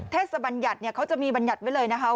เทศบัญญัติเขาจะมีแบบแบบไว้เลยนะคะ